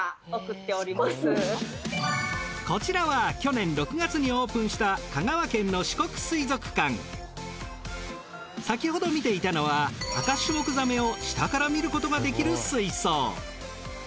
こちらは去年６月にオープンした先ほど見ていたのはアカシュモクザメを下から見ることができる水槽。